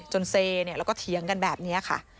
เซแล้วก็เถียงกันแบบนี้ค่ะ